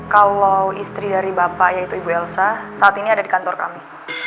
kalau istri dari bapak yaitu ibu elsa saat ini ada di kantor kami